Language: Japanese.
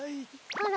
あら？